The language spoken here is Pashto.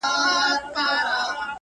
زه چي د شپې خوب كي ږغېږمه دا!